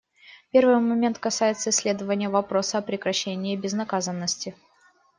Первый момент касается исследования вопроса о прекращении безнаказанности.